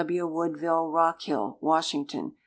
W. Woodville Rockhill, Washington.